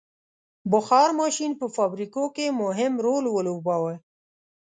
• بخار ماشین په فابریکو کې مهم رول ولوباوه.